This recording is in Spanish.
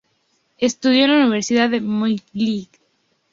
Estudió en la universidad McGill.